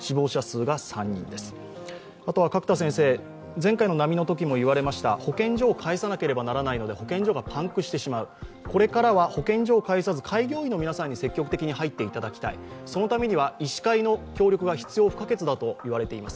前回の波のときも言われました保健所を介さなければならないので保健所がパンクしてしまう、これからは保健所を介さず開業医の皆さんに積極的に入っていただきたい、そのためには医師会の協力が不可欠だといわれています。